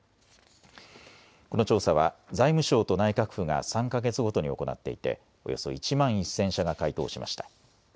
この調査は財務省と内閣府が３か月ごとに行っていておよそ１万１０００社が回答しました。